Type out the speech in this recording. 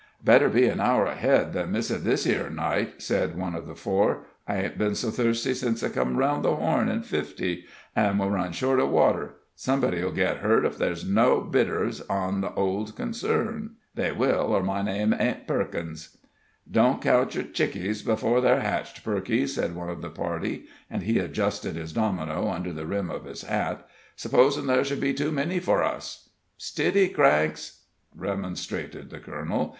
"Better be an hour ahead than miss it this 'ere night," said one of the four. "I ain't been so thirsty sence I come round the Horn, in '50, an' we run short of water. Somebody'll get hurt ef thar' ain't no bitters on the old concern they will, or my name ain't Perkins." "Don't count yer chickings 'fore they're hetched, Perky," said one of the party, as he adjusted his domino under the rim of his hat. "'S'posin' ther' shud be too many for us?" "Stiddy, Cranks!" remonstrated the colonel.